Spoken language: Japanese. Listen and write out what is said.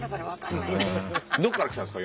どこから来たんですか？